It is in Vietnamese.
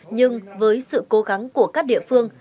nhưng với sự cố gắng của các địa phương